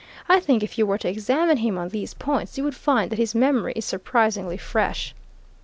I think if you were to examine him on these points, you would find that his memory is surprisingly fresh."